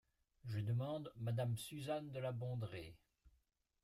Je demande madame Suzanne de La Bondrée.